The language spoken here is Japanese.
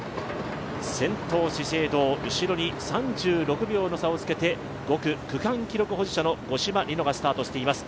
先頭は資生堂、後ろに３６秒の差をつけて５区、区間記録保持者の五島莉乃がスタートしていきます。